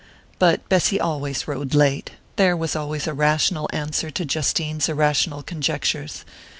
But Bessy always rode late there was always a rational answer to Justine's irrational conjectures....